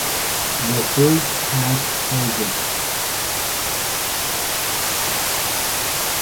The fruit has fragrance.